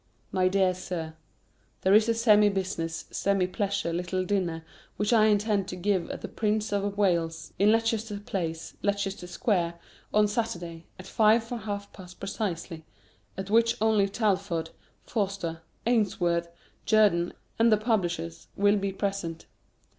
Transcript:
_ MY DEAR SIR, There is a semi business, semi pleasure little dinner which I intend to give at The Prince of Wales, in Leicester Place, Leicester Square, on Saturday, at five for half past precisely, at which only Talfourd, Forster, Ainsworth, Jerdan, and the publishers will be present.